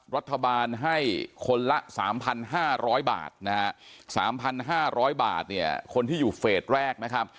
รัฐบาลให้คนละสามพันห้าร้อยบาทนะฮะสามพันห้าร้อยบาทเนี่ยคนที่อยู่เฟสแรกนะครับ